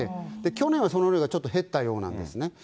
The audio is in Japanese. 去年はその量がちょっと減ったようなんですね。